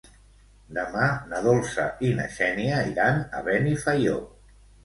Demà na Dolça i na Xènia iran a Benifaió.